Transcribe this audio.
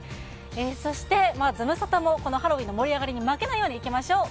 そしてズムサタもこのハロウィーンの盛り上がりに負けないようにいきましょう。